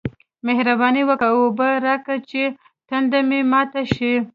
مهرباني وکه! اوبه راکه چې تنده مې ماته شي